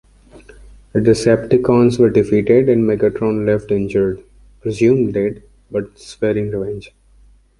The Decepticons were defeated and Megatron left injured, presumed dead, but swearing revenge.